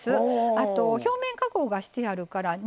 あと表面加工がしてあるから煮汁をね